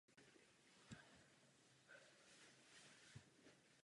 Demokratický výchovný styl bývá často označen jako nejvhodnější.